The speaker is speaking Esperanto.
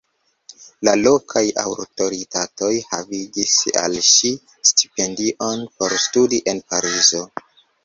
La lokaj aŭtoritatoj havigis al ŝi stipendion por studi en Parizo.